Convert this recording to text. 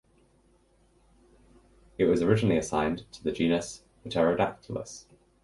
It was originally assigned to the genus "Pterodactylus".